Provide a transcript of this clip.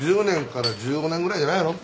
１０年から１５年ぐらいじゃないの。